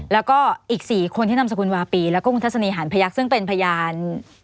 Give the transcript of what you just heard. แล้วก็อีก๔คนที่นำสกุลวาปีแล้วก็คุณทัศนีหานพยักษ์ซึ่งเป็นพยาน